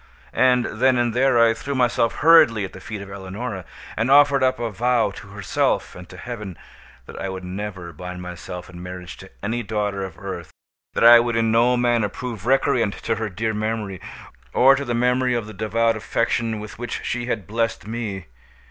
And, then and there, I threw myself hurriedly at the feet of Eleonora, and offered up a vow, to herself and to Heaven, that I would never bind myself in marriage to any daughter of Earth—that I would in no manner prove recreant to her dear memory, or to the memory of the devout affection with which she had blessed me.